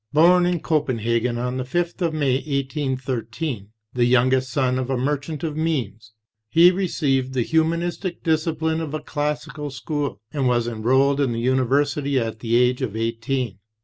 Born in Copenhagen on the 5th of May, 1813, the youngest son of a merchant of means, he received the humanistic discipline of a classical school, and was enrolled in the University at the age of eighteen.